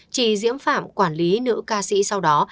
chỉ diễm phạm quản lý nữ ca sĩ sau đó